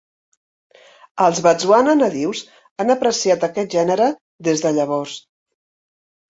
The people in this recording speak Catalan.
Els batswana nadius han apreciat aquest gènere des de llavors.